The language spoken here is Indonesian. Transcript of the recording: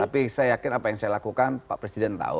tapi saya yakin apa yang saya lakukan pak presiden tahu